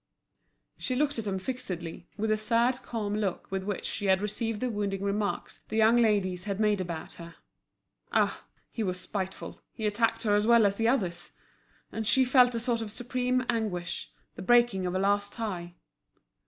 She looked at him fixedly, with the sad calm look with which she had received the wounding remarks the young ladies had made about her. Ah! he was spiteful, he attacked her as well as the others! And she felt a sort of supreme anguish, the breaking of a last tie.